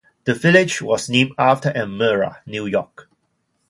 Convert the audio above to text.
The village was named after Elmira, New York.